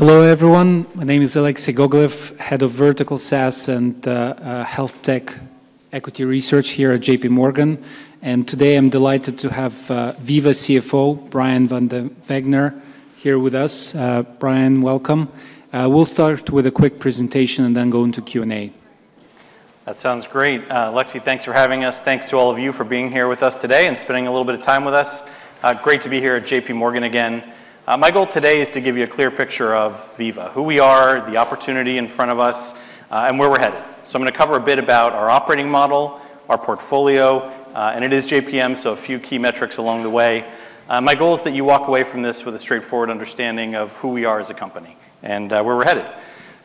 Hello everyone, my name is Alexei Gogolev, Head of Vertical SaaS and HealthTech Equity Research here at JPMorgan, and today I'm delighted to have Veeva CFO, Brian Van Wagener here with us. Brian, welcome. We'll start with a quick presentation and then go into Q&A. That sounds great. Alexey, thanks for having us. Thanks to all of you for being here with us today and spending a little bit of time with us. Great to be here at JPMorgan again. My goal today is to give you a clear picture of Veeva, who we are, the opportunity in front of us, and where we're headed. So I'm going to cover a bit about our operating model, our portfolio, and it is JPM, so a few key metrics along the way. My goal is that you walk away from this with a straightforward understanding of who we are as a company and where we're headed.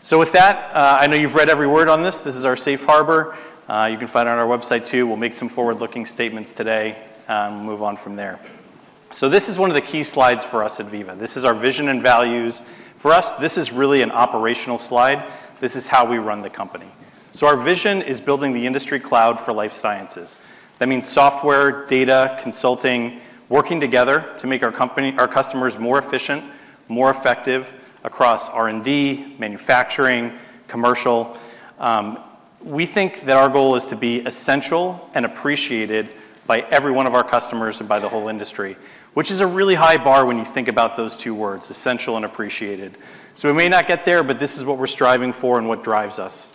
So with that, I know you've read every word on this. This is our safe harbor. You can find it on our website too. We'll make some forward-looking statements today and we'll move on from there. So this is one of the key slides for us at Veeva. This is our vision and values. For us, this is really an operational slide. This is how we run the company. So our vision is building the industry cloud for life sciences. That means software, data, consulting, working together to make our customers more efficient, more effective across R&D, manufacturing, commercial. We think that our goal is to be essential and appreciated by every one of our customers and by the whole industry, which is a really high bar when you think about those two words, essential and appreciated. So we may not get there, but this is what we're striving for and what drives us.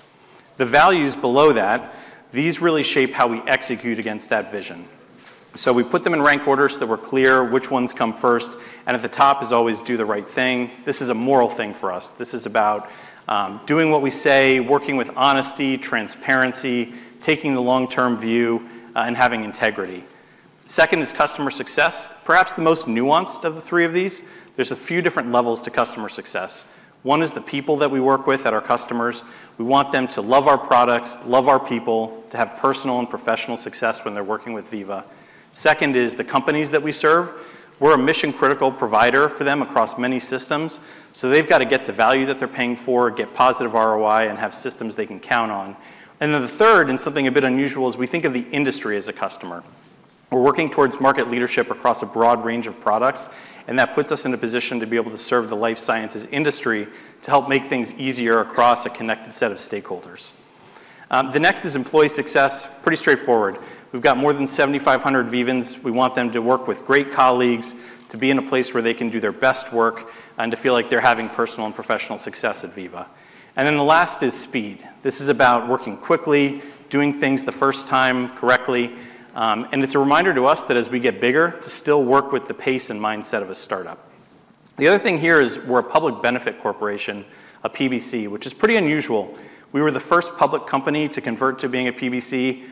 The values below that, these really shape how we execute against that vision. So we put them in rank order so that we're clear which ones come first. And at the top is always do the right thing. This is a moral thing for us. This is about doing what we say, working with honesty, transparency, taking the long-term view, and having integrity. Second is customer success, perhaps the most nuanced of the three of these. There's a few different levels to customer success. One is the people that we work with, that are customers. We want them to love our products, love our people, to have personal and professional success when they're working with Veeva. Second is the companies that we serve. We're a mission-critical provider for them across many systems. So they've got to get the value that they're paying for, get positive ROI, and have systems they can count on. And then the third, and something a bit unusual, is we think of the industry as a customer. We're working towards market leadership across a broad range of products, and that puts us in a position to be able to serve the life sciences industry to help make things easier across a connected set of stakeholders. The next is employee success, pretty straightforward. We've got more than 7,500 Veevans. We want them to work with great colleagues, to be in a place where they can do their best work and to feel like they're having personal and professional success at Veeva, and then the last is speed. This is about working quickly, doing things the first time correctly, and it's a reminder to us that as we get bigger, to still work with the pace and mindset of a startup. The other thing here is we're a public benefit corporation, a PBC, which is pretty unusual. We were the first public company to convert to being a PBC.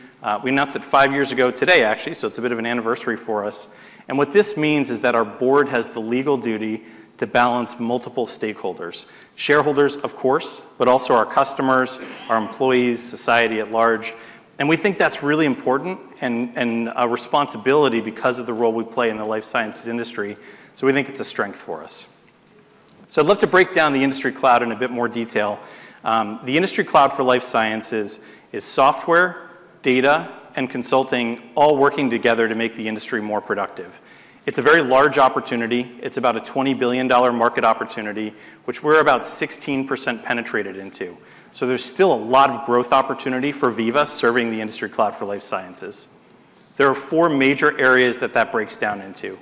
We announced it five years ago today, actually, so it's a bit of an anniversary for us. And what this means is that our board has the legal duty to balance multiple stakeholders, shareholders, of course, but also our customers, our employees, society at large. And we think that's really important and a responsibility because of the role we play in the life sciences industry. So we think it's a strength for us. So I'd love to break down the industry cloud in a bit more detail. The industry cloud for life sciences is software, data, and consulting all working together to make the industry more productive. It's a very large opportunity. It's about a $20 billion market opportunity, which we're about 16% penetrated into. So there's still a lot of growth opportunity for Veeva serving the industry cloud for life sciences. There are four major areas that breaks down into: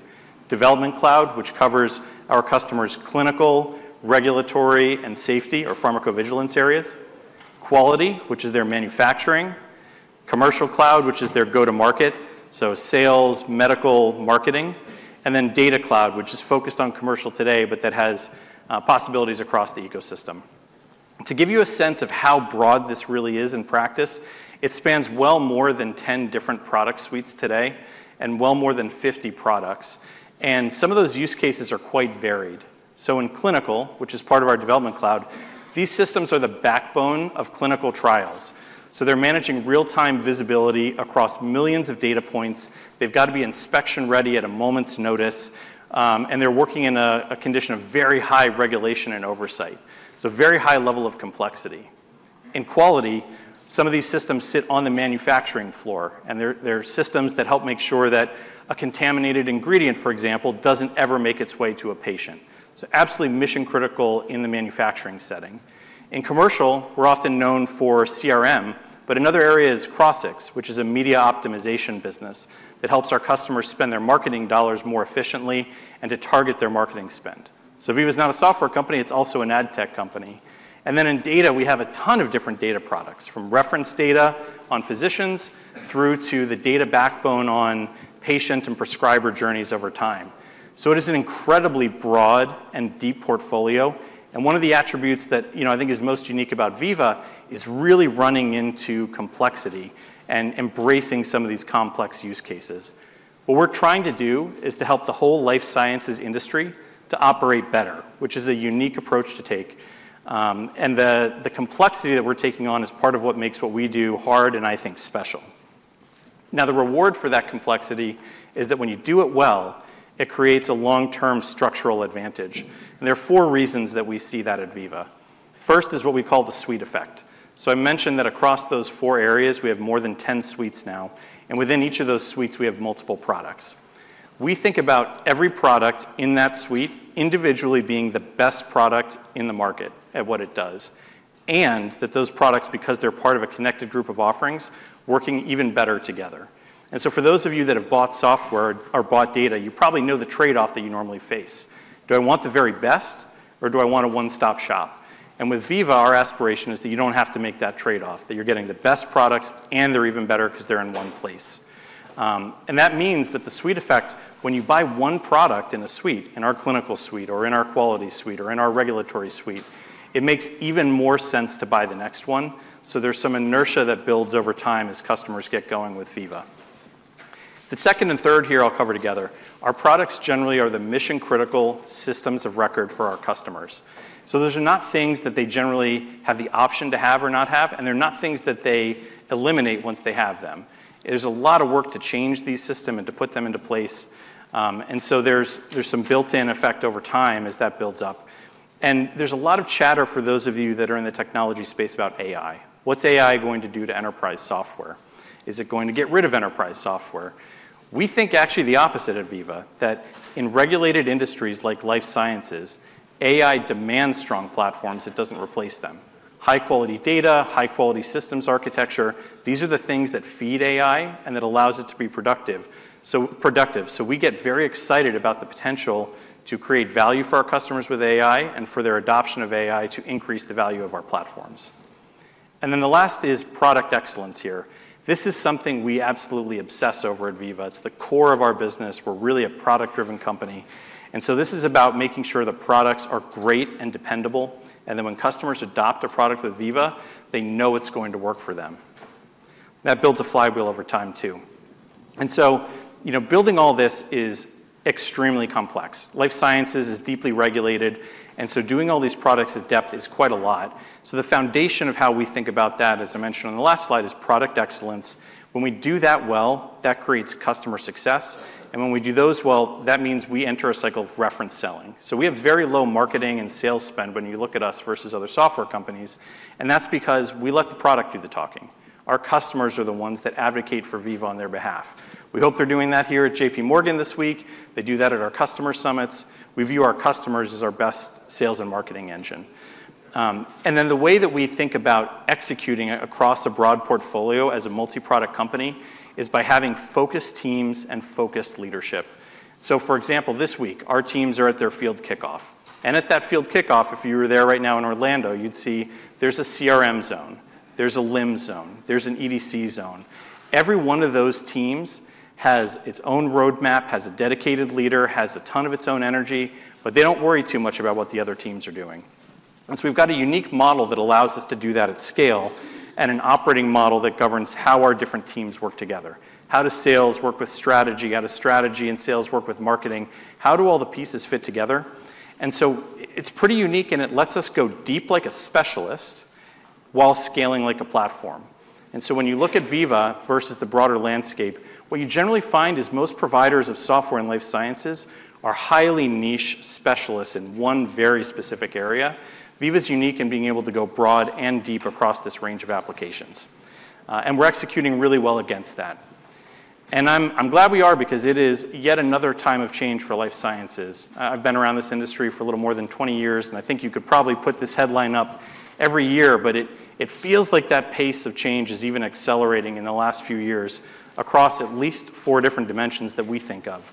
Development Cloud, which covers our customers' clinical, regulatory, and safety, or pharmacovigilance areas. Quality, which is their manufacturing. Commercial Cloud, which is their go-to-market, so sales, medical, marketing. And then Data Cloud, which is focused on commercial today, but that has possibilities across the ecosystem. To give you a sense of how broad this really is in practice, it spans well more than 10 different product suites today and well more than 50 products. Some of those use cases are quite varied. In clinical, which is part of our Development Cloud, these systems are the backbone of clinical trials. They're managing real-time visibility across millions of data points. They've got to be inspection-ready at a moment's notice. They're working in a condition of very high regulation and oversight, so very high level of complexity. In quality, some of these systems sit on the manufacturing floor. And they're systems that help make sure that a contaminated ingredient, for example, doesn't ever make its way to a patient. So absolutely mission-critical in the manufacturing setting. In commercial, we're often known for CRM, but another area is Crossix, which is a media optimization business that helps our customers spend their marketing dollars more efficiently and to target their marketing spend. So Veeva is not a software company. It's also an ad tech company. And then in data, we have a ton of different data products, from reference data on physicians through to the data backbone on patient and prescriber journeys over time. So it is an incredibly broad and deep portfolio. And one of the attributes that I think is most unique about Veeva is really running into complexity and embracing some of these complex use cases. What we're trying to do is to help the whole life sciences industry to operate better, which is a unique approach to take, and the complexity that we're taking on is part of what makes what we do hard and I think special. Now, the reward for that complexity is that when you do it well, it creates a long-term structural advantage, and there are four reasons that we see that at Veeva. First is what we call the suite effect, so I mentioned that across those four areas, we have more than 10 suites now, and within each of those suites, we have multiple products. We think about every product in that suite individually being the best product in the market at what it does, and that those products, because they're part of a connected group of offerings, working even better together. And so for those of you that have bought software or bought data, you probably know the trade-off that you normally face. Do I want the very best, or do I want a one-stop shop? And with Veeva, our aspiration is that you don't have to make that trade-off, that you're getting the best products, and they're even better because they're in one place. And that means that the suite effect, when you buy one product in a suite, in our clinical suite or in our quality suite or in our regulatory suite, it makes even more sense to buy the next one. So there's some inertia that builds over time as customers get going with Veeva. The second and third here I'll cover together. Our products generally are the mission-critical systems of record for our customers. Those are not things that they generally have the option to have or not have, and they're not things that they eliminate once they have them. There's a lot of work to change these systems and to put them into place. And so there's some built-in effect over time as that builds up. And there's a lot of chatter for those of you that are in the technology space about AI. What's AI going to do to enterprise software? Is it going to get rid of enterprise software? We think actually the opposite of Veeva, that in regulated industries like life sciences, AI demands strong platforms. It doesn't replace them. High-quality data, high-quality systems architecture, these are the things that feed AI and that allows it to be productive. So we get very excited about the potential to create value for our customers with AI and for their adoption of AI to increase the value of our platforms. And then the last is product excellence here. This is something we absolutely obsess over at Veeva. It's the core of our business. We're really a product-driven company. And so this is about making sure the products are great and dependable. And then when customers adopt a product with Veeva, they know it's going to work for them. That builds a flywheel over time too. And so building all this is extremely complex. Life sciences is deeply regulated. And so doing all these products in depth is quite a lot. So the foundation of how we think about that, as I mentioned on the last slide, is product excellence. When we do that well, that creates customer success. And when we do those well, that means we enter a cycle of reference selling. So we have very low marketing and sales spend when you look at us versus other software companies. And that's because we let the product do the talking. Our customers are the ones that advocate for Veeva on their behalf. We hope they're doing that here at JPMorgan this week. They do that at our customer summits. We view our customers as our best sales and marketing engine. And then the way that we think about executing across a broad portfolio as a multi-product company is by having focused teams and focused leadership. So for example, this week, our teams are at their field kickoff. And at that field kickoff, if you were there right now in Orlando, you'd see there's a CRM zone. There's a LIMS zone. There's an EDC zone. Every one of those teams has its own roadmap, has a dedicated leader, has a ton of its own energy, but they don't worry too much about what the other teams are doing, and so we've got a unique model that allows us to do that at scale and an operating model that governs how our different teams work together, how does sales work with strategy, how does strategy and sales work with marketing, how do all the pieces fit together, and so it's pretty unique, and it lets us go deep like a specialist while scaling like a platform, and so when you look at Veeva versus the broader landscape, what you generally find is most providers of software and life sciences are highly niche specialists in one very specific area. Veeva is unique in being able to go broad and deep across this range of applications. And we're executing really well against that. And I'm glad we are because it is yet another time of change for life sciences. I've been around this industry for a little more than 20 years, and I think you could probably put this headline up every year, but it feels like that pace of change is even accelerating in the last few years across at least four different dimensions that we think of.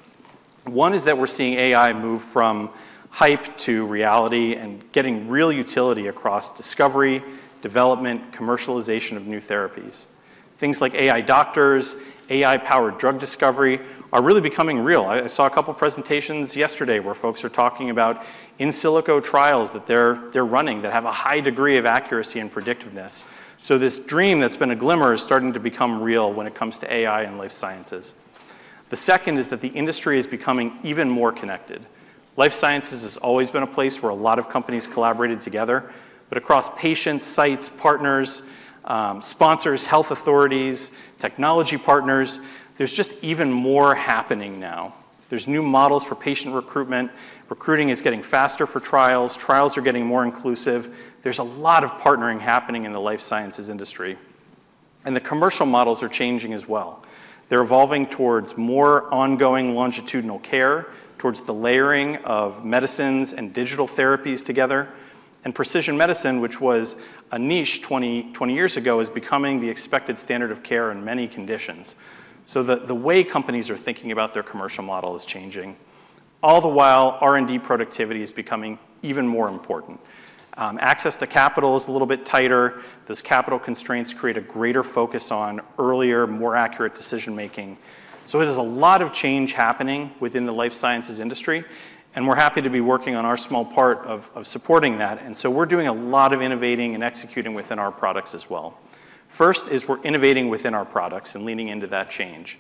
One is that we're seeing AI move from hype to reality and getting real utility across discovery, development, commercialization of new therapies. Things like AI doctors, AI-powered drug discovery are really becoming real. I saw a couple of presentations yesterday where folks are talking about in silico trials that they're running that have a high degree of accuracy and predictiveness. So this dream that's been a glimmer is starting to become real when it comes to AI and life sciences. The second is that the industry is becoming even more connected. Life sciences has always been a place where a lot of companies collaborated together, but across patients, sites, partners, sponsors, health authorities, technology partners, there's just even more happening now. There's new models for patient recruitment. Recruiting is getting faster for trials. Trials are getting more inclusive. There's a lot of partnering happening in the life sciences industry. And the commercial models are changing as well. They're evolving towards more ongoing longitudinal care, towards the layering of medicines and digital therapies together. And precision medicine, which was a niche 20 years ago, is becoming the expected standard of care in many conditions. So the way companies are thinking about their commercial model is changing. All the while, R&D productivity is becoming even more important. Access to capital is a little bit tighter. Those capital constraints create a greater focus on earlier, more accurate decision-making. So there's a lot of change happening within the life sciences industry. And we're happy to be working on our small part of supporting that. And so we're doing a lot of innovating and executing within our products as well. First is we're innovating within our products and leaning into that change.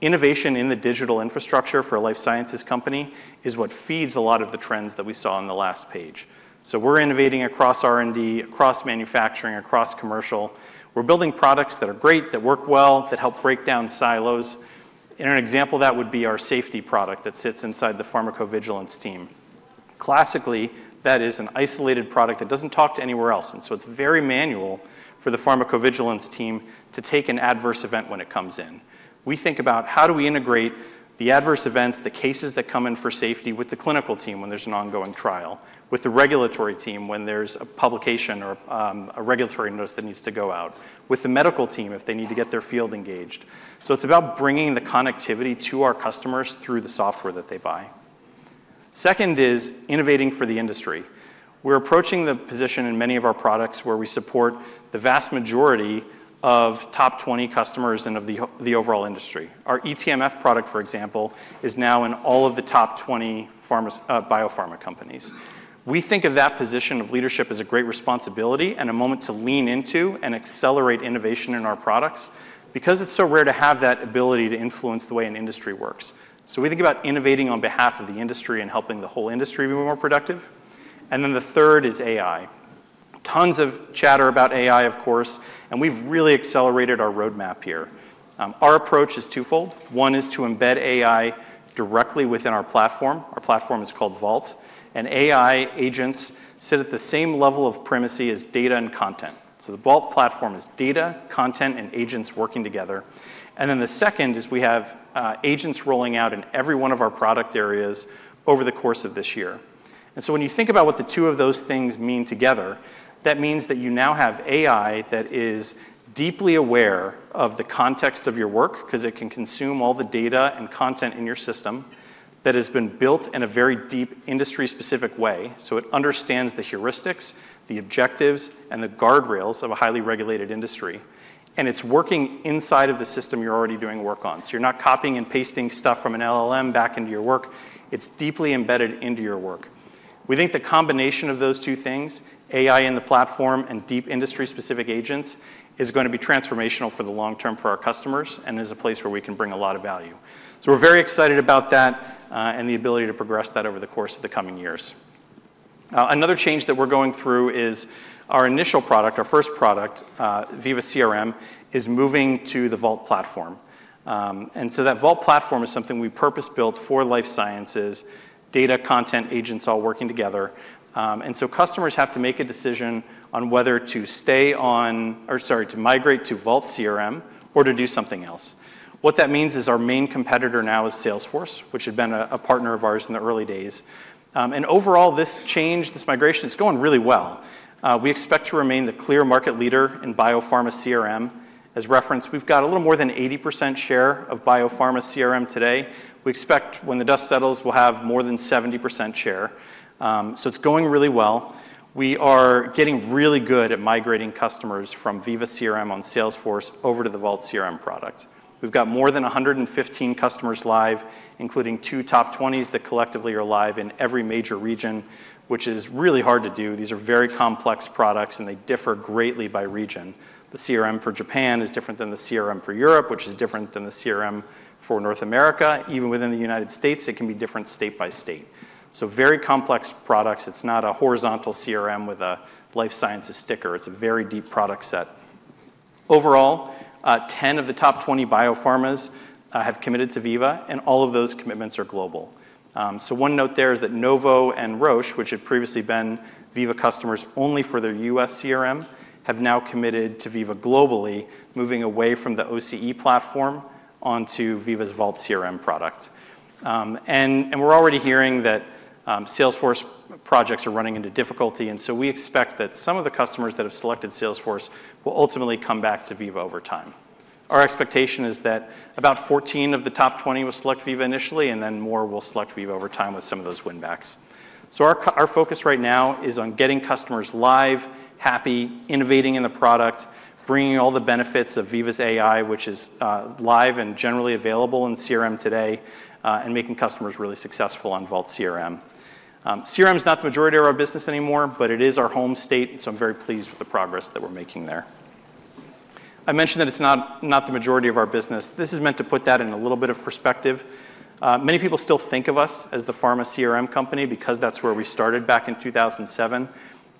Innovation in the digital infrastructure for a life sciences company is what feeds a lot of the trends that we saw on the last page. So we're innovating across R&D, across manufacturing, across commercial. We're building products that are great, that work well, that help break down silos. In an example, that would be our safety product that sits inside the pharmacovigilance team. Classically, that is an isolated product that doesn't talk to anywhere else. And so it's very manual for the pharmacovigilance team to take an adverse event when it comes in. We think about how do we integrate the adverse events, the cases that come in for safety with the clinical team when there's an ongoing trial, with the regulatory team when there's a publication or a regulatory notice that needs to go out, with the medical team if they need to get their field engaged. So it's about bringing the connectivity to our customers through the software that they buy. Second is innovating for the industry. We're approaching the position in many of our products where we support the vast majority of top 20 customers and of the overall industry. Our eTMF product, for example, is now in all of the top 20 biopharma companies. We think of that position of leadership as a great responsibility and a moment to lean into and accelerate innovation in our products because it's so rare to have that ability to influence the way an industry works, so we think about innovating on behalf of the industry and helping the whole industry be more productive, and then the third is AI. Tons of chatter about AI, of course, and we've really accelerated our roadmap here. Our approach is twofold. One is to embed AI directly within our platform. Our platform is called Vault, and AI agents sit at the same level of primacy as data and content, so the Vault platform is data, content, and agents working together, and then the second is we have agents rolling out in every one of our product areas over the course of this year. And so when you think about what the two of those things mean together, that means that you now have AI that is deeply aware of the context of your work because it can consume all the data and content in your system that has been built in a very deep industry-specific way. So it understands the heuristics, the objectives, and the guardrails of a highly regulated industry. And it's working inside of the system you're already doing work on. So you're not copying and pasting stuff from an LLM back into your work. It's deeply embedded into your work. We think the combination of those two things, AI in the platform and deep industry-specific agents, is going to be transformational for the long term for our customers and is a place where we can bring a lot of value. So we're very excited about that and the ability to progress that over the course of the coming years. Another change that we're going through is our initial product, our first product, Veeva CRM, is moving to the Vault platform. And so that Vault platform is something we purpose-built for life sciences, data, content, agents all working together. And so customers have to make a decision on whether to stay on, or sorry, to migrate to Vault CRM or to do something else. What that means is our main competitor now is Salesforce, which had been a partner of ours in the early days. And overall, this change, this migration, it's going really well. We expect to remain the clear market leader in biopharma CRM. As referenced, we've got a little more than 80% share of biopharma CRM today. We expect when the dust settles, we'll have more than 70% share. So it's going really well. We are getting really good at migrating customers from Veeva CRM on Salesforce over to the Vault CRM product. We've got more than 115 customers live, including two top 20s that collectively are live in every major region, which is really hard to do. These are very complex products, and they differ greatly by region. The CRM for Japan is different than the CRM for Europe, which is different than the CRM for North America. Even within the United States, it can be different state by state. So very complex products. It's not a horizontal CRM with a life sciences sticker. It's a very deep product set. Overall, 10 of the top 20 biopharmas have committed to Veeva, and all of those commitments are global. One note there is that Novo and Roche, which had previously been Veeva customers only for their U.S. CRM, have now committed to Veeva globally, moving away from the OCE platform onto Veeva's Vault CRM product. We're already hearing that Salesforce projects are running into difficulty. We expect that some of the customers that have selected Salesforce will ultimately come back to Veeva over time. Our expectation is that about 14 of the top 20 will select Veeva initially, and then more will select Veeva over time with some of those win-backs. Our focus right now is on getting customers live, happy, innovating in the product, bringing all the benefits of Veeva's AI, which is live and generally available in CRM today, and making customers really successful on Vault CRM. CRM is not the majority of our business anymore, but it is our home state, and so I'm very pleased with the progress that we're making there. I mentioned that it's not the majority of our business. This is meant to put that in a little bit of perspective. Many people still think of us as the pharma CRM company because that's where we started back in 2007.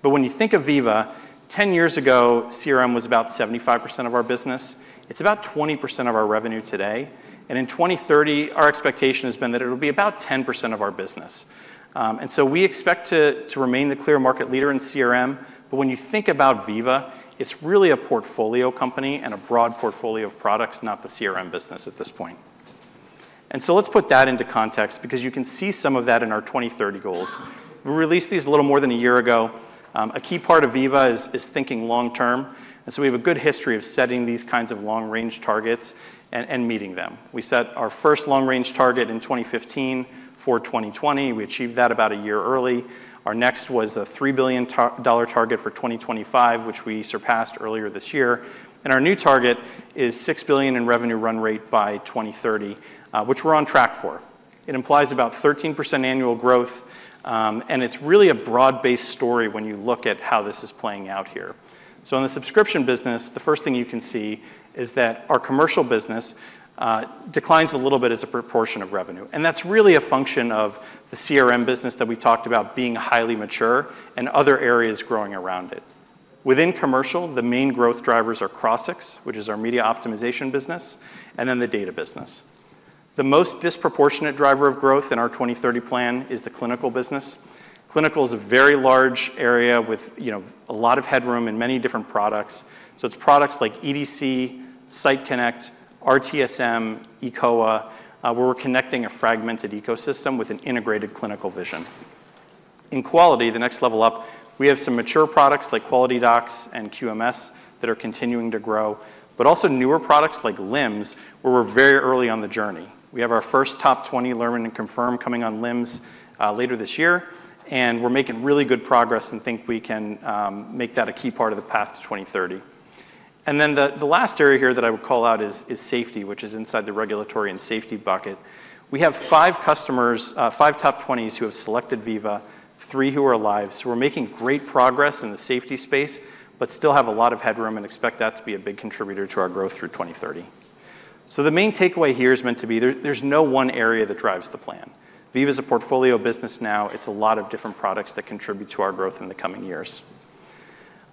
When you think of Veeva, 10 years ago, CRM was about 75% of our business. It's about 20% of our revenue today. In 2030, our expectation has been that it will be about 10% of our business. We expect to remain the clear market leader in CRM. When you think about Veeva, it's really a portfolio company and a broad portfolio of products, not the CRM business at this point. And so let's put that into context because you can see some of that in our 2030 goals. We released these a little more than a year ago. A key part of Veeva is thinking long term. And so we have a good history of setting these kinds of long-range targets and meeting them. We set our first long-range target in 2015 for 2020. We achieved that about a year early. Our next was a $3 billion target for 2025, which we surpassed earlier this year. And our new target is $6 billion in revenue run rate by 2030, which we're on track for. It implies about 13% annual growth. And it's really a broad-based story when you look at how this is playing out here. So in the subscription business, the first thing you can see is that our commercial business declines a little bit as a proportion of revenue. And that's really a function of the CRM business that we talked about being highly mature and other areas growing around it. Within commercial, the main growth drivers are Crossix, which is our media optimization business, and then the data business. The most disproportionate driver of growth in our 2030 plan is the clinical business. Clinical is a very large area with a lot of headroom in many different products. So it's products like EDC, Site Connect, RTSM, eCOA, where we're connecting a fragmented ecosystem with an integrated clinical vision. In quality, the next level up, we have some mature products like QualityDocs and QMS that are continuing to grow, but also newer products like LIMS, where we're very early on the journey. We have our first top 20 learn and confirm coming on LIMS later this year. And we're making really good progress and think we can make that a key part of the path to 2030. And then the last area here that I would call out is safety, which is inside the regulatory and safety bucket. We have five customers, five top 20s who have selected Veeva, three who are live. So we're making great progress in the safety space, but still have a lot of headroom and expect that to be a big contributor to our growth through 2030. So the main takeaway here is meant to be there's no one area that drives the plan. Veeva is a portfolio business now. It's a lot of different products that contribute to our growth in the coming years.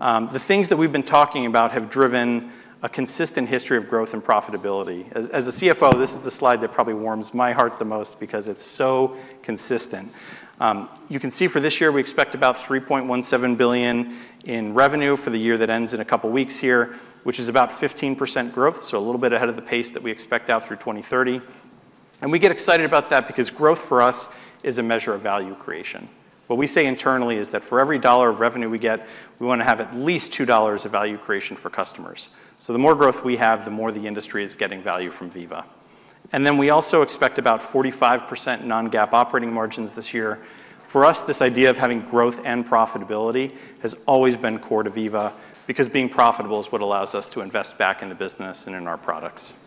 The things that we've been talking about have driven a consistent history of growth and profitability. As a CFO, this is the slide that probably warms my heart the most because it's so consistent. You can see for this year, we expect about $3.17 billion in revenue for the year that ends in a couple of weeks here, which is about 15% growth, so a little bit ahead of the pace that we expect out through 2030, and we get excited about that because growth for us is a measure of value creation. What we say internally is that for every $1 of revenue we get, we want to have at least $2 of value creation for customers. So the more growth we have, the more the industry is getting value from Veeva, and then we also expect about 45% non-GAAP operating margins this year. For us, this idea of having growth and profitability has always been core to Veeva because being profitable is what allows us to invest back in the business and in our products.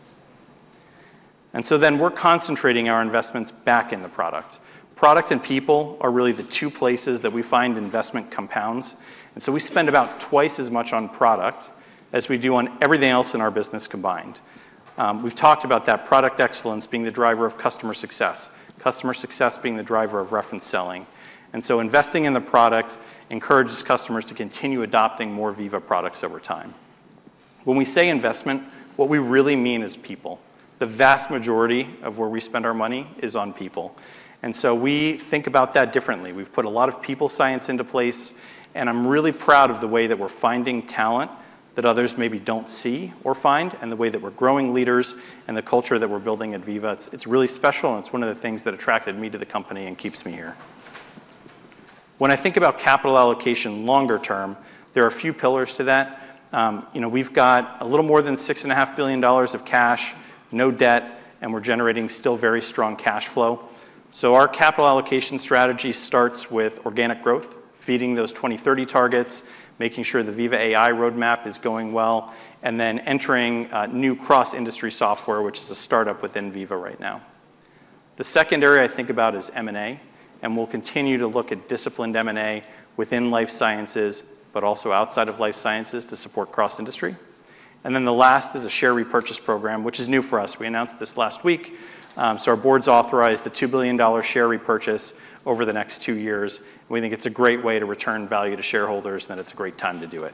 And so then we're concentrating our investments back in the product. Product and people are really the two places that we find investment compounds. And so we spend about twice as much on product as we do on everything else in our business combined. We've talked about that product excellence being the driver of customer success, customer success being the driver of reference selling. And so investing in the product encourages customers to continue adopting more Veeva products over time. When we say investment, what we really mean is people. The vast majority of where we spend our money is on people. And so we think about that differently. We've put a lot of people science into place. I'm really proud of the way that we're finding talent that others maybe don't see or find, and the way that we're growing leaders and the culture that we're building at Veeva. It's really special, and it's one of the things that attracted me to the company and keeps me here. When I think about capital allocation longer term, there are a few pillars to that. We've got a little more than $6.5 billion of cash, no debt, and we're generating still very strong cash flow. Our capital allocation strategy starts with organic growth, feeding those 2030 targets, making sure the Veeva AI roadmap is going well, and then entering new cross-industry software, which is a startup within Veeva right now. The second area I think about is M&A, and we'll continue to look at disciplined M&A within life sciences, but also outside of life sciences to support cross-industry, and then the last is a share repurchase program, which is new for us. We announced this last week, so our board's authorized a $2 billion share repurchase over the next two years. We think it's a great way to return value to shareholders and that it's a great time to do it,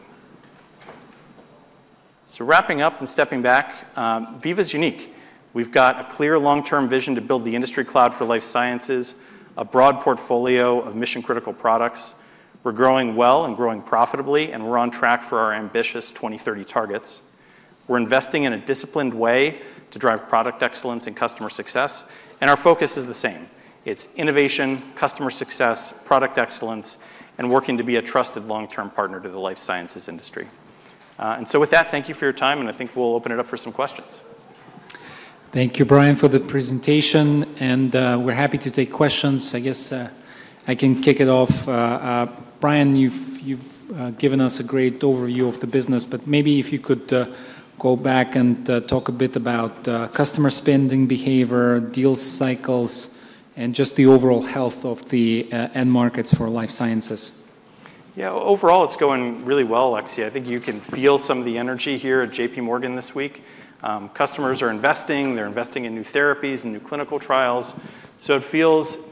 so wrapping up and stepping back, Veeva is unique. We've got a clear long-term vision to build the industry cloud for life sciences, a broad portfolio of mission-critical products. We're growing well and growing profitably, and we're on track for our ambitious 2030 targets. We're investing in a disciplined way to drive product excellence and customer success, and our focus is the same. It's innovation, customer success, product excellence, and working to be a trusted long-term partner to the life sciences industry. And so with that, thank you for your time, and I think we'll open it up for some questions. Thank you, Brian, for the presentation. And we're happy to take questions. I guess I can kick it off. Brian, you've given us a great overview of the business, but maybe if you could go back and talk a bit about customer spending behavior, deal cycles, and just the overall health of the end markets for life sciences. Yeah, overall, it's going really well, Alexey. I think you can feel some of the energy here at JPMorgan this week. Customers are investing. They're investing in new therapies and new clinical trials. So it feels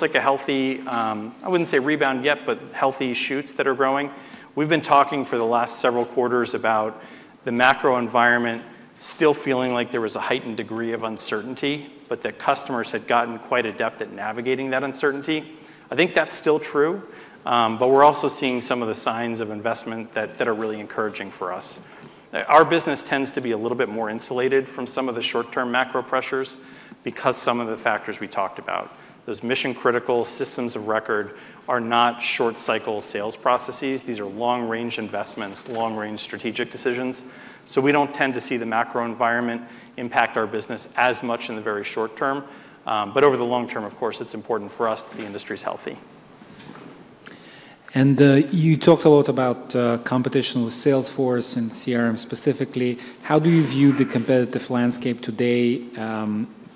like a healthy, I wouldn't say rebound yet, but healthy shoots that are growing. We've been talking for the last several quarters about the macro environment still feeling like there was a heightened degree of uncertainty, but that customers had gotten quite adept at navigating that uncertainty. I think that's still true, but we're also seeing some of the signs of investment that are really encouraging for us. Our business tends to be a little bit more insulated from some of the short-term macro pressures because some of the factors we talked about, those mission-critical systems of record, are not short-cycle sales processes. These are long-range investments, long-range strategic decisions. So we don't tend to see the macro environment impact our business as much in the very short term. But over the long term, of course, it's important for us that the industry is healthy. You talked a lot about competition with Salesforce and CRM specifically. How do you view the competitive landscape today,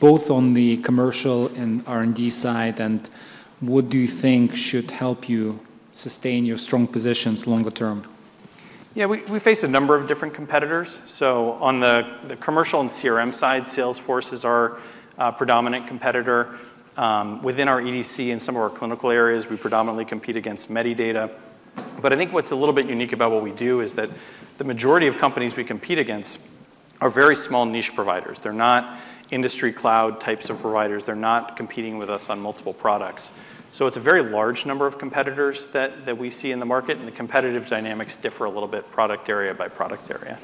both on the commercial and R&D side, and what do you think should help you sustain your strong positions longer term? Yeah, we face a number of different competitors. So on the commercial and CRM side, Salesforce is our predominant competitor. Within our EDC and some of our clinical areas, we predominantly compete against Medidata. But I think what's a little bit unique about what we do is that the majority of companies we compete against are very small niche providers. They're not industry cloud types of providers. They're not competing with us on multiple products. So it's a very large number of competitors that we see in the market, and the competitive dynamics differ a little bit product area by product area.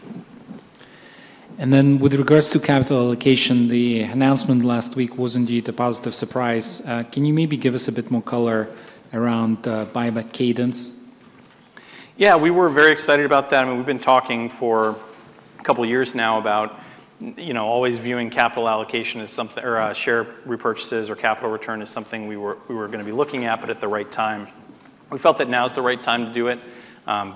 With regards to capital allocation, the announcement last week was indeed a positive surprise. Can you maybe give us a bit more color around buyback cadence? Yeah, we were very excited about that. I mean, we've been talking for a couple of years now about always viewing capital allocation as something or share repurchases or capital return as something we were going to be looking at, but at the right time. We felt that now is the right time to do it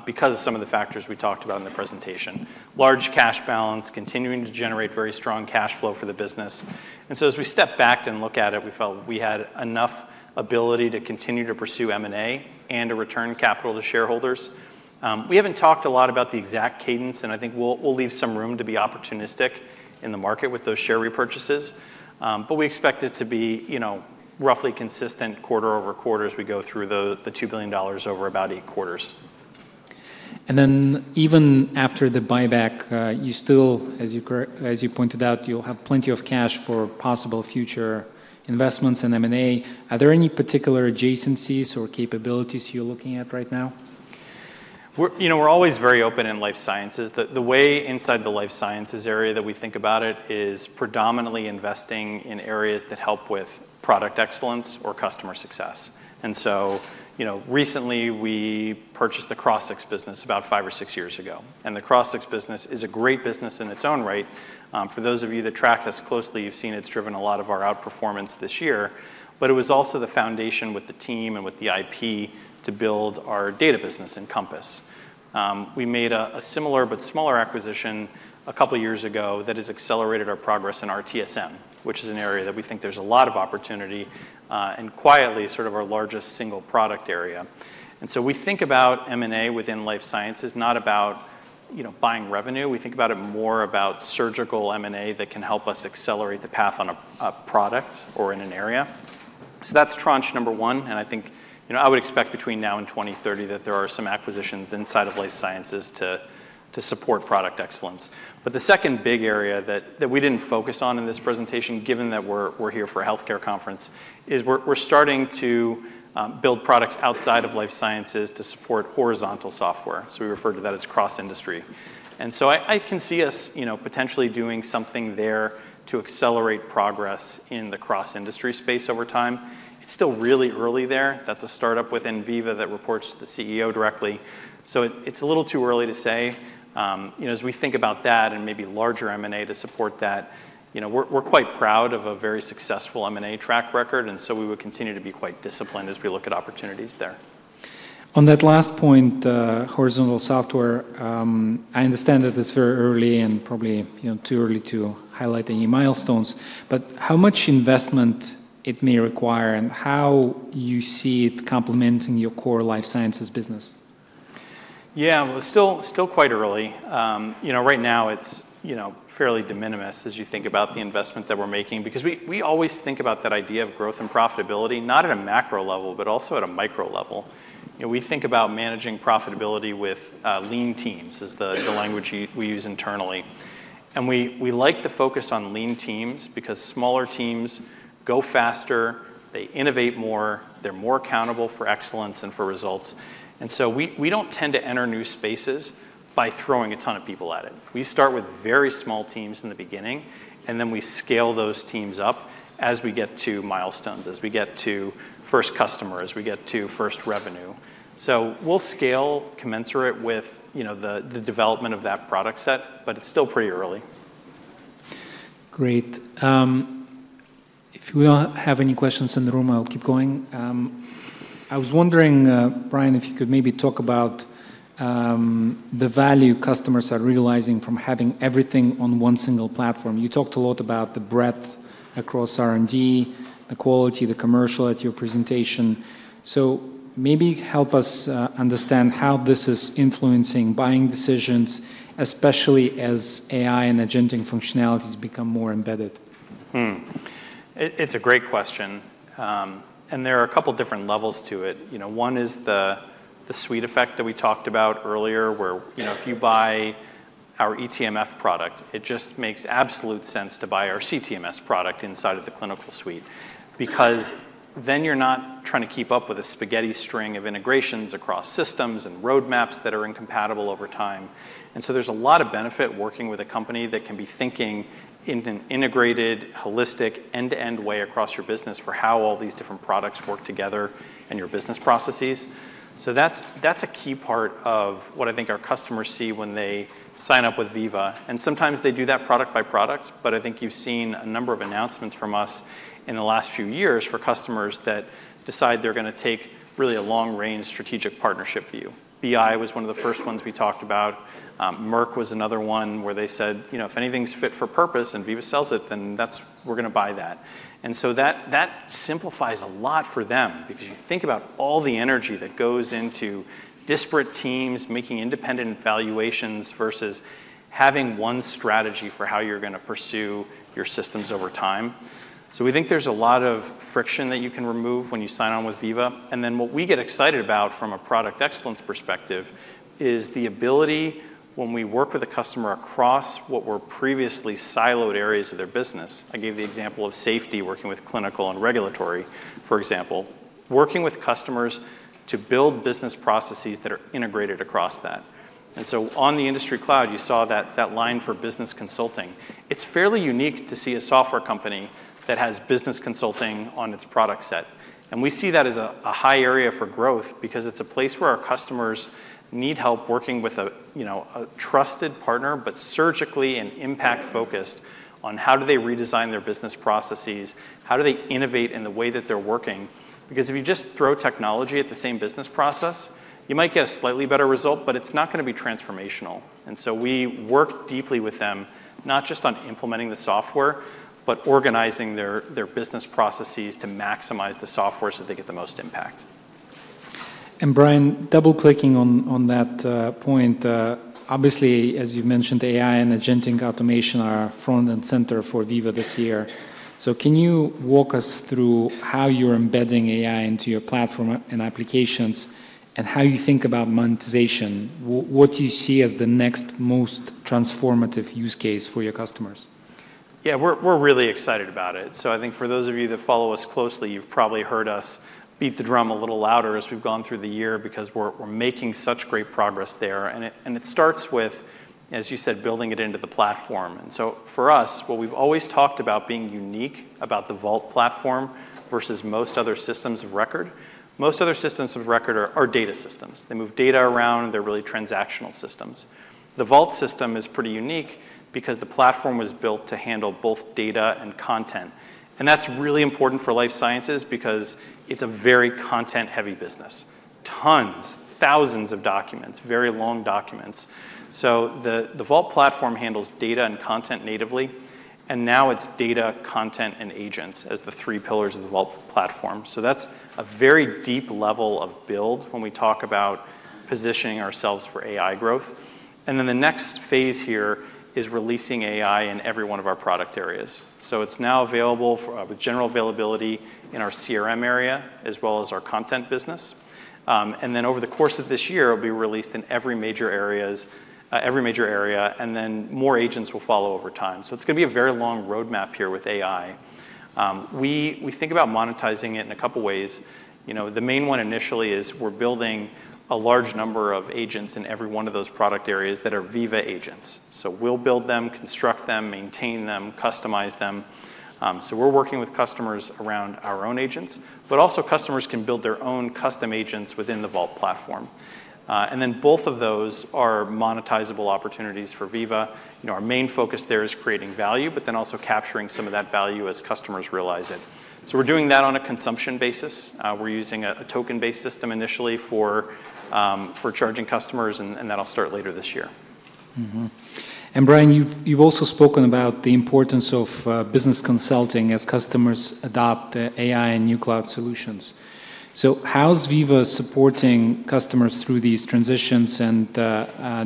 because of some of the factors we talked about in the presentation. Large cash balance, continuing to generate very strong cash flow for the business. And so as we stepped back to look at it, we felt we had enough ability to continue to pursue M&A and to return capital to shareholders. We haven't talked a lot about the exact cadence, and I think we'll leave some room to be opportunistic in the market with those share repurchases. But we expect it to be roughly consistent quarter over quarter as we go through the $2 billion over about eight quarters. And then even after the buyback, you still, as you pointed out, you'll have plenty of cash for possible future investments in M&A. Are there any particular adjacencies or capabilities you're looking at right now? We're always very open in life sciences. The way inside the life sciences area that we think about it is predominantly investing in areas that help with product excellence or customer success. And so recently, we purchased the Crossix business about five or six years ago. And the Crossix business is a great business in its own right. For those of you that track us closely, you've seen it's driven a lot of our outperformance this year. But it was also the foundation with the team and with the IP to build our data business in Compass. We made a similar but smaller acquisition a couple of years ago that has accelerated our progress in RTSM, which is an area that we think there's a lot of opportunity and quietly sort of our largest single product area. And so we think about M&A within life sciences not about buying revenue. We think about it more about surgical M&A that can help us accelerate the path on a product or in an area. So that's tranche number one. And I think I would expect between now and 2030 that there are some acquisitions inside of life sciences to support product excellence. But the second big area that we didn't focus on in this presentation, given that we're here for a healthcare conference, is we're starting to build products outside of life sciences to support horizontal software. So we refer to that as cross-industry. And so I can see us potentially doing something there to accelerate progress in the cross-industry space over time. It's still really early there. That's a startup within Veeva that reports to the CEO directly. So it's a little too early to say. As we think about that and maybe larger M&A to support that, we're quite proud of a very successful M&A track record, and so we will continue to be quite disciplined as we look at opportunities there. On that last point, horizontal software, I understand that it's very early and probably too early to highlight any milestones. But how much investment it may require and how you see it complementing your core life sciences business? Yeah, still quite early. Right now, it's fairly de minimis as you think about the investment that we're making because we always think about that idea of growth and profitability, not at a macro level, but also at a micro level. We think about managing profitability with lean teams is the language we use internally. And we like to focus on lean teams because smaller teams go faster, they innovate more, they're more accountable for excellence and for results. And so we don't tend to enter new spaces by throwing a ton of people at it. We start with very small teams in the beginning, and then we scale those teams up as we get to milestones, as we get to first customers, we get to first revenue. So we'll scale commensurate with the development of that product set, but it's still pretty early. Great. If you have any questions in the room, I'll keep going. I was wondering, Brian, if you could maybe talk about the value customers are realizing from having everything on one single platform. You talked a lot about the breadth across R&D, the quality, the commercial at your presentation. So maybe help us understand how this is influencing buying decisions, especially as AI and agentic functionalities become more embedded. It's a great question. And there are a couple of different levels to it. One is the suite effect that we talked about earlier where if you buy our eTMF product, it just makes absolute sense to buy our CTMS product inside of the clinical suite because then you're not trying to keep up with a spaghetti string of integrations across systems and roadmaps that are incompatible over time. And so there's a lot of benefit working with a company that can be thinking in an integrated, holistic, end-to-end way across your business for how all these different products work together and your business processes. So that's a key part of what I think our customers see when they sign up with Veeva. And sometimes they do that product by product, but I think you've seen a number of announcements from us in the last few years for customers that decide they're going to take really a long-range strategic partnership view. BI was one of the first ones we talked about. Merck was another one where they said, "If anything's fit for purpose and Veeva sells it, then we're going to buy that." And so that simplifies a lot for them because you think about all the energy that goes into disparate teams making independent valuations versus having one strategy for how you're going to pursue your systems over time. So we think there's a lot of friction that you can remove when you sign on with Veeva. And then what we get excited about from a product excellence perspective is the ability when we work with a customer across what were previously siloed areas of their business. I gave the example of safety working with clinical and regulatory, for example, working with customers to build business processes that are integrated across that. And so on the industry cloud, you saw that line for business consulting. It's fairly unique to see a software company that has business consulting on its product set. And we see that as a high area for growth because it's a place where our customers need help working with a trusted partner, but surgically and impact-focused on how do they redesign their business processes, how do they innovate in the way that they're working. Because if you just throw technology at the same business process, you might get a slightly better result, but it's not going to be transformational. And so we work deeply with them, not just on implementing the software, but organizing their business processes to maximize the software so they get the most impact. Brian, double-clicking on that point, obviously, as you mentioned, AI and agentic automation are front and center for Veeva this year. So can you walk us through how you're embedding AI into your platform and applications and how you think about monetization? What do you see as the next most transformative use case for your customers? Yeah, we're really excited about it. So I think for those of you that follow us closely, you've probably heard us beat the drum a little louder as we've gone through the year because we're making such great progress there. And it starts with, as you said, building it into the platform. And so for us, what we've always talked about being unique about the Vault platform versus most other systems of record, most other systems of record are data systems. They move data around. They're really transactional systems. The Vault system is pretty unique because the platform was built to handle both data and content. And that's really important for life sciences because it's a very content-heavy business. Tons, thousands of documents, very long documents. So the Vault platform handles data and content natively. And now it's data, content, and agents as the three pillars of the Vault platform. So that's a very deep level of build when we talk about positioning ourselves for AI growth. And then the next phase here is releasing AI in every one of our product areas. So it's now available with general availability in our CRM area as well as our content business. And then over the course of this year, it'll be released in every major area, and then more agents will follow over time. So it's going to be a very long roadmap here with AI. We think about monetizing it in a couple of ways. The main one initially is we're building a large number of agents in every one of those product areas that are Veeva agents. So we'll build them, construct them, maintain them, customize them. So we're working with customers around our own agents, but also customers can build their own custom agents within the Vault platform. Both of those are monetizable opportunities for Veeva. Our main focus there is creating value, but then also capturing some of that value as customers realize it. We're doing that on a consumption basis. We're using a token-based system initially for charging customers, and that'll start later this year. Brian, you've also spoken about the importance of business consulting as customers adopt AI and new cloud solutions. How's Veeva supporting customers through these transitions, and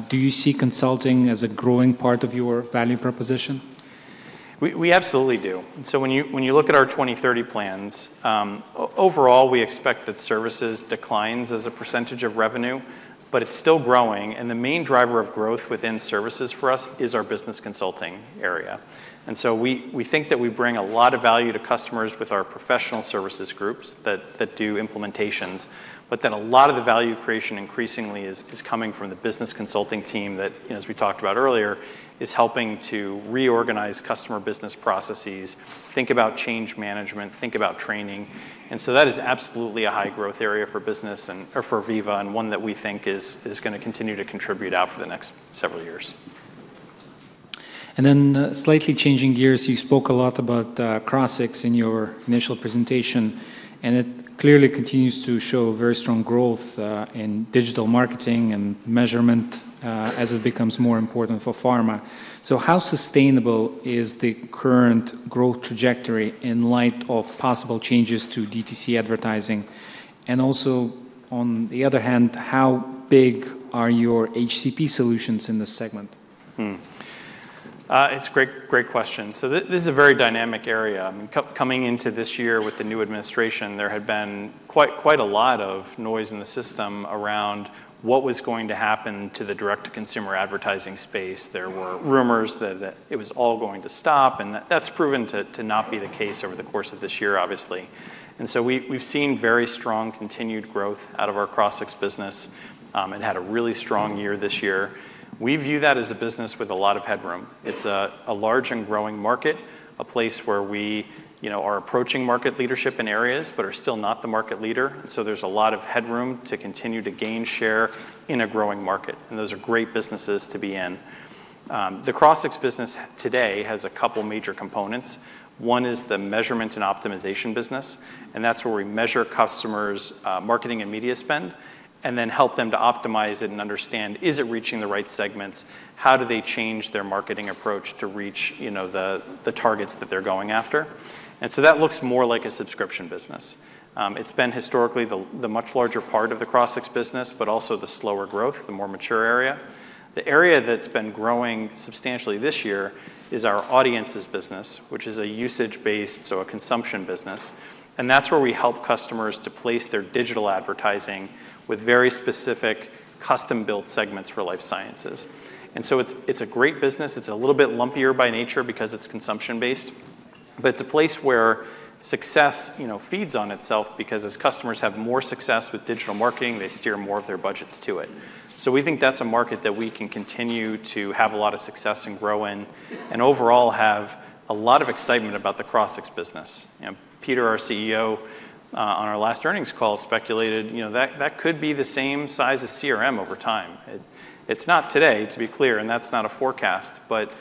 do you see consulting as a growing part of your value proposition? We absolutely do. So when you look at our 2030 plans, overall, we expect that services declines as a percentage of revenue, but it's still growing. And the main driver of growth within services for us is our business consulting area. And so we think that we bring a lot of value to customers with our professional services groups that do implementations. But then a lot of the value creation increasingly is coming from the business consulting team that, as we talked about earlier, is helping to reorganize customer business processes, think about change management, think about training. And so that is absolutely a high growth area for Veeva and one that we think is going to continue to contribute out for the next several years. And then slightly changing gears, you spoke a lot about Crossix in your initial presentation, and it clearly continues to show very strong growth in digital marketing and measurement as it becomes more important for pharma. So how sustainable is the current growth trajectory in light of possible changes to DTC advertising? And also, on the other hand, how big are your HCP solutions in this segment? It's a great question. So this is a very dynamic area. Coming into this year with the new administration, there had been quite a lot of noise in the system around what was going to happen to the direct-to-consumer advertising space. There were rumors that it was all going to stop, and that's proven to not be the case over the course of this year, obviously. And so we've seen very strong continued growth out of our Crossix business. It had a really strong year this year. We view that as a business with a lot of headroom. It's a large and growing market, a place where we are approaching market leadership in areas, but are still not the market leader. And so there's a lot of headroom to continue to gain share in a growing market. And those are great businesses to be in. The Crossix business today has a couple of major components. One is the measurement and optimization business, and that's where we measure customers' marketing and media spend and then help them to optimize it and understand, is it reaching the right segments? How do they change their marketing approach to reach the targets that they're going after? And so that looks more like a subscription business. It's been historically the much larger part of the Crossix business, but also the slower growth, the more mature area. The area that's been growing substantially this year is our Audiences business, which is a usage-based, so a consumption business. And that's where we help customers to place their digital advertising with very specific custom-built segments for life sciences. And so it's a great business. It's a little bit lumpier by nature because it's consumption-based, but it's a place where success feeds on itself because as customers have more success with digital marketing, they steer more of their budgets to it. So we think that's a market that we can continue to have a lot of success and grow in and overall have a lot of excitement about the Crossix business. Peter, our CEO, on our last earnings call speculated that could be the same size as CRM over time. It's not today, to be clear, and that's not a forecast, but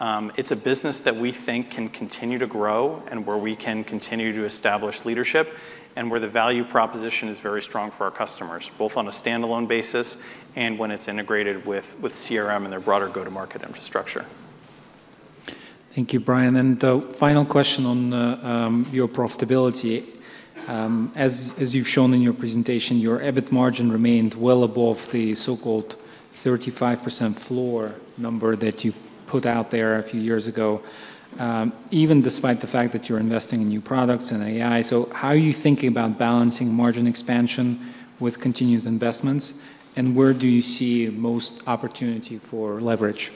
it's a business that we think can continue to grow and where we can continue to establish leadership and where the value proposition is very strong for our customers, both on a standalone basis and when it's integrated with CRM and their broader go-to-market infrastructure. Thank you, Brian, and the final question on your profitability. As you've shown in your presentation, your EBIT margin remained well above the so-called 35% floor number that you put out there a few years ago, even despite the fact that you're investing in new products and AI. So how are you thinking about balancing margin expansion with continued investments, and where do you see most opportunity for leverage?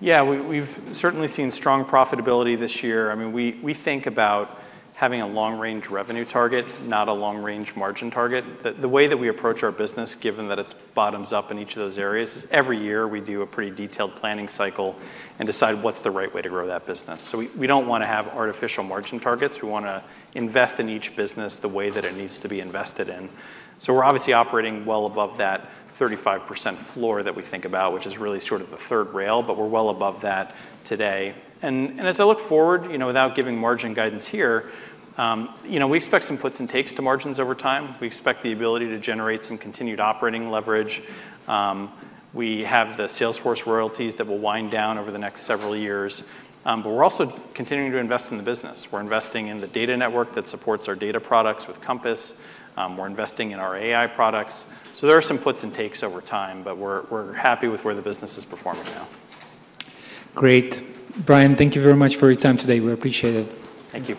Yeah, we've certainly seen strong profitability this year. I mean, we think about having a long-range revenue target, not a long-range margin target. The way that we approach our business, given that it's bottoms up in each of those areas, is every year we do a pretty detailed planning cycle and decide what's the right way to grow that business, so we don't want to have artificial margin targets. We want to invest in each business the way that it needs to be invested in, so we're obviously operating well above that 35% floor that we think about, which is really sort of the third rail, but we're well above that today, and as I look forward, without giving margin guidance here, we expect some puts and takes to margins over time. We expect the ability to generate some continued operating leverage. We have the Salesforce royalties that will wind down over the next several years. But we're also continuing to invest in the business. We're investing in the data network that supports our data products with Compass. We're investing in our AI products. So there are some puts and takes over time, but we're happy with where the business is performing now. Great. Brian, thank you very much for your time today. We appreciate it. Thank you.